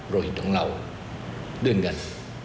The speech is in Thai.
โรหิตของเราด้วยเงิน